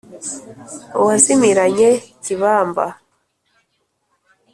uwazimiranye kibamba